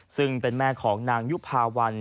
ซึ่งเป็นแม่ของนางยุภาวัน